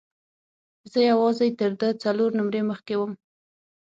زه یوازې تر ده څلور نمرې مخکې وم.